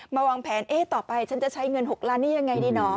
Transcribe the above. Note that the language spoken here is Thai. วางแผนต่อไปฉันจะใช้เงิน๖ล้านนี้ยังไงดีเหรอ